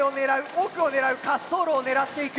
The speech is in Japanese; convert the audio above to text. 奥を狙う滑走路を狙っていく。